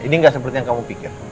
ini nggak seperti yang kamu pikir